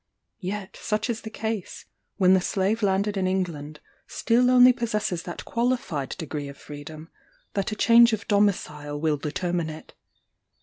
Yet such is the case, when the slave landed in England still only possesses that qualified degree of freedom, that a change of domicile will determine it.